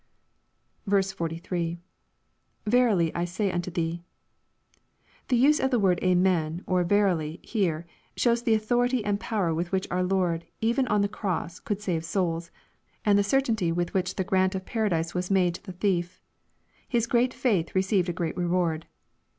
43. — [Verfy I say unto thee.] The use of the word "amen," or " verily" here, shows the authority and power with which our Lord even on the cross could save souls, and the certainty with which the grant of paradise was made to the thiefl His great faith received a great reward.